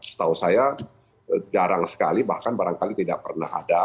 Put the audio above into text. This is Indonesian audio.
setahu saya jarang sekali bahkan barangkali tidak pernah ada